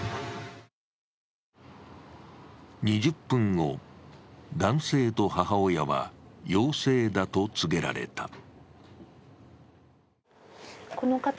２０分後、男性と母親は陽性だと告げられた。